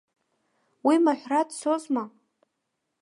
Уи маҳәра дцозма?!